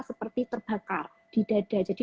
seperti terbakar di dada jadi